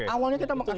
awalnya kita mengakses